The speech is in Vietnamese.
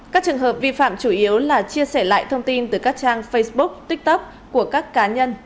các trường hợp vi phạm chủ yếu là chia sẻ lại thông tin từ các trang facebook tiktok của các cá nhân